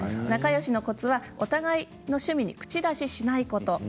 仲よしのコツは、お互いの趣味に口出しをしないこと。